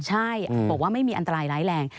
ใช่บอกว่าไม่มีอันตรายร้ายแรง